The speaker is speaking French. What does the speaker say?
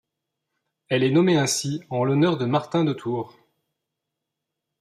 Elle est nommée ainsi en l'honneur de Martin de Tours.